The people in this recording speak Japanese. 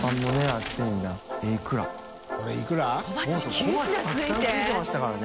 小鉢たくさん付いてましたからね。